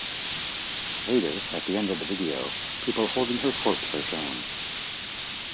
Later, at the end of the video, people holding her corpse are shown.